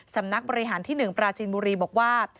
สำนักบริหารที่๑ปราจีนบุรีบอกว่า